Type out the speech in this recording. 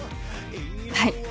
はい！